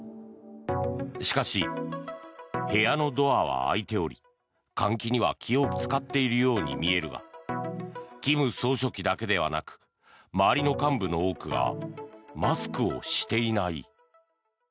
しかし、部屋のドアは開いており換気には気を使っているように見えるが、金総書記だけではなく周りの幹部の多くがマスクをしていない。